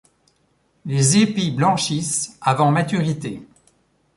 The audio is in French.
Les épis blanchissent, avant maturité.